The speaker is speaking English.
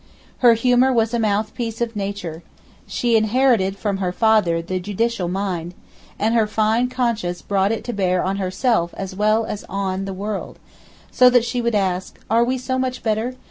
Her humour was a mouthpiece of nature. She inherited from her father the judicial mind, and her fine conscience brought it to bear on herself as well as on the world, so that she would ask, 'Are we so much better?